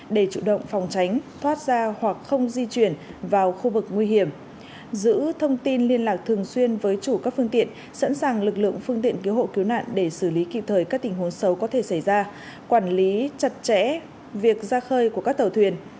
để chủ động phòng tránh thoát ra hoặc không di chuyển vào khu vực nguy hiểm